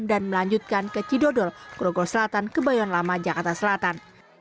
dan melanjutkan ke cidodol krogor selatan kebayuan lama jakarta selatan